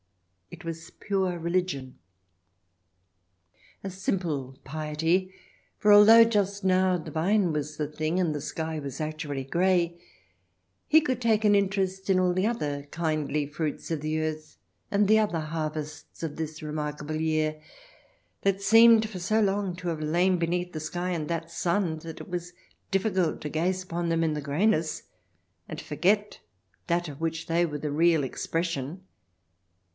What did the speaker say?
It was pure religion. A simple piety — for, although just now the vine was the thing and the sky was actually grey, he could take an interest in all the other kindly fruits of the earth and the other harvests of this remarkable year, that seemed for so long to have lain beneath that sky and that sun that it was difficult to gaze upon them in the greyness, and forget that of which they were the real expression.